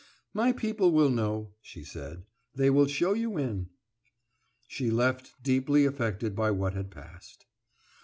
"My people will know," she said. "They will show you in." She left, deeply affected by what had passed.